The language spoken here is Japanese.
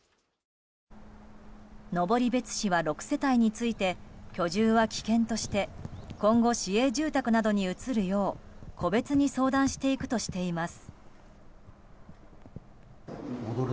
登別市は６世帯について居住は危険として今後、市営住宅などに移るよう個別に相談していくとしています。